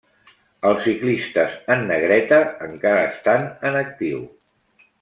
Els ciclistes en negreta encara estan en actiu.